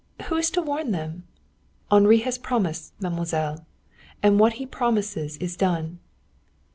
"Who is to warn them?" "Henri has promised, mademoiselle. And what he promises is done."